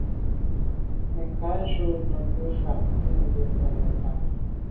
Nə̀ cǎ tǎ ú rə̌ nə̀ fà’ zí’də́ bə́ nə̀tá.